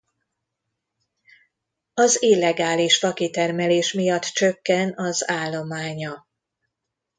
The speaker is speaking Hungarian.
Az illegális fakitermelés miatt csökken az állománya.